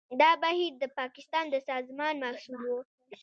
دا بهیر د پاکستان د سازمان محصول و.